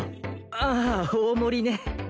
ああ大盛りね。